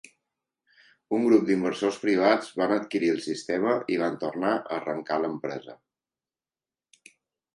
Un grup d'inversors privats van adquirir el sistema i van tornar a arrencar l'empresa.